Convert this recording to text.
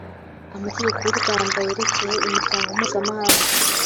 amategeko y’ u rwanda yerekeye imiryango mpuzamahanga.